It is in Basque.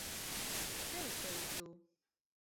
Zer uste duzu?